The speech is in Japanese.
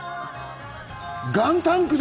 ガンタンクだ！